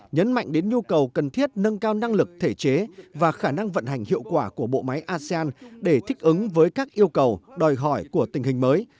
nhấn mạnh đến nhu cầu cần thiết nâng cao năng lực thể chế và khả năng vận hành hiệu quả của bộ máy asean để thích ứng với các yêu cầu đòi hỏi của tình hình mới